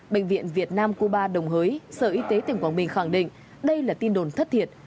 bệnh viện việt nam cuba đồng hới sở y tế tỉnh quảng bình khẳng định đây là tin đồn thất thiệt